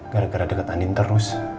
gara gara deket anjing terus